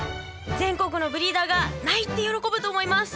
全国のブリーダーが泣いて喜ぶと思います！